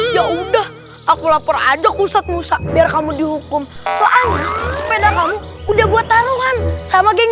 ya udah aku lapor aja kusat musa biar kamu dihukum seandainya sepeda kamu udah buat taluhan sama geng